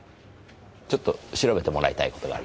ちょっと調べてもらいたい事があります。